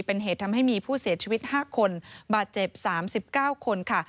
เป็นเหตุทำให้มีผู้เสียชีวิต๕คนบาดเจ็บ๓๙คนค่ะ